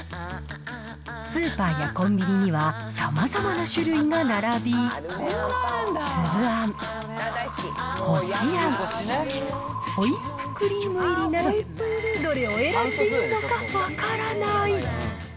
スーパーやコンビニにはさまざまな種類が並び、つぶあん、こしあん、ホイップクリーム入りなど、どれを選んでいいのか分からない。